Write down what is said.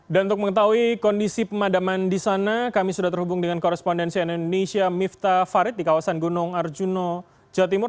dan untuk mengetahui kondisi pemadaman di sana kami sudah terhubung dengan korespondensi indonesia mifta farid di kawasan gunung arjuna jawa timur